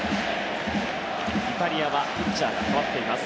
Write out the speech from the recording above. イタリアはピッチャーが代わっています。